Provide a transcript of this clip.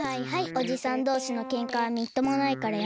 おじさんどうしのけんかはみっともないからやめて。